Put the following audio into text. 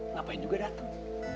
ngapain juga dateng